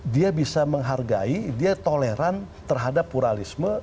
dia bisa menghargai dia toleran terhadap pluralisme